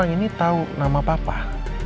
itu apa bapak